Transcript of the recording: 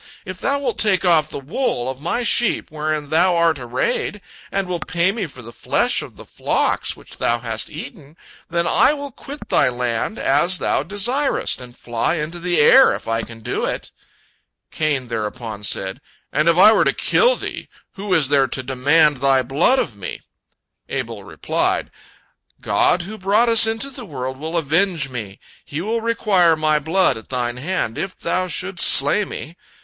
If thou wilt take off the wool of my sheep wherein thou art arrayed, and wilt pay me for the flesh of the flocks which thou hast eaten, then I will quit thy land as thou desirest, and fly into the air, if I can do it." Cain thereupon said, "And if I were to kill thee, who is there to demand thy blood of me?" Abel replied: "God, who brought us into the world, will avenge me. He will require my blood at thine hand, if thou shouldst slay me.